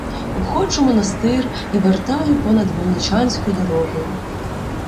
Обходжу монастир і вертаю понад мельничанською дорогою.